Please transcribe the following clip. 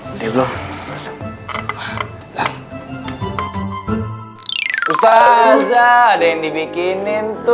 ustazah ada yang dibikinin tuh